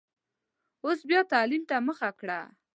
اوس بیا تعلیم ته مخه کړه.